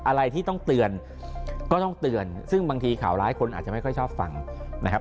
อะไรที่ต้องเตือนก็ต้องเตือนซึ่งบางทีข่าวร้ายคนอาจจะไม่ค่อยชอบฟังนะครับ